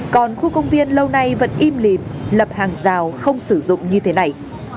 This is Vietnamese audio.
còn khu công viên lâu nay vẫn im lịp lập hàng rào không sử dụng như thế này